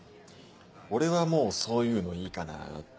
俺はもうそういうのいいかなって。